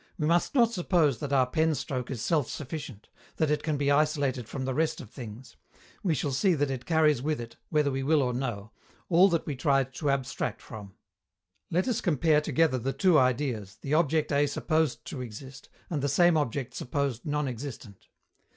We must not suppose that our pen stroke is self sufficient that it can be isolated from the rest of things. We shall see that it carries with it, whether we will or no, all that we tried to abstract from. Let us compare together the two ideas the object A supposed to exist, and the same object supposed "non existent."